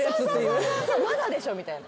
そうそうまだでしょみたいな。